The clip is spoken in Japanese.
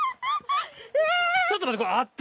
ちょっと待って。